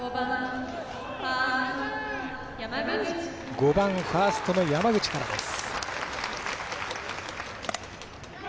５番ファーストの山口からです。